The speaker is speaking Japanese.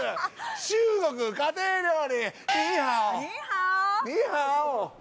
中国家庭料理。